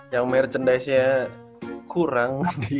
yang merchandise nya kurang